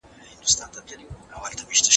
د بدن بیولوژیکي ګړۍ دوه برخې لري.